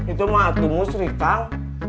itu mah atu musri kang